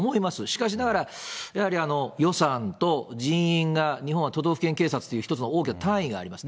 しかしながら、やはり予算と人員が日本は都道府県警察という一つの大きな単位があります。